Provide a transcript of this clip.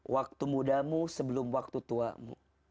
waktu mudamu sebelum waktu tuamu